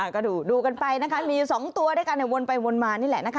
ก็ดูกันไปนะคะมี๒ตัวด้วยกันวนไปวนมานี่แหละนะคะ